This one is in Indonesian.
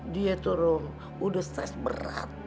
dia tuh rom udah stres berat